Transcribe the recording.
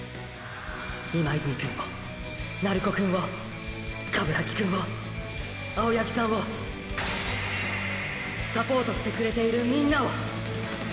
今泉くんを鳴子くんを鏑木くんを青八木さんをサポートしてくれているみんなを！！